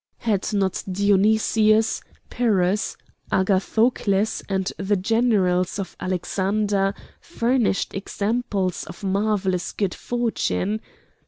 Had not Dionysius, Pyrrhus, Agathocles, and the generals of Alexander furnished examples of marvellous good fortune?